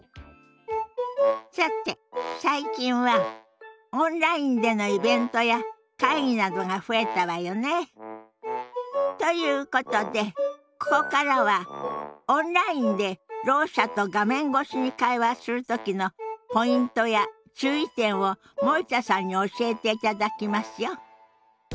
さて最近はオンラインでのイベントや会議などが増えたわよね。ということでここからはオンラインでろう者と画面越しに会話する時のポイントや注意点を森田さんに教えていただきますよ。